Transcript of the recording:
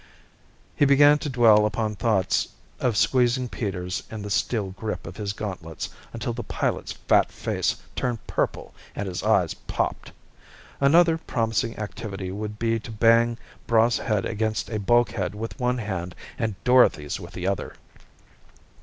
He began to dwell upon thoughts of squeezing Peters in the steel grip of his gauntlets until the pilot's fat face turned purple and his eyes popped. Another promising activity would be to bang Braigh's head against a bulkhead with one hand and Dorothy's with the other.